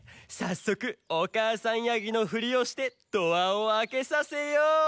さっそくおかあさんやぎのふりをしてドアをあけさせよう！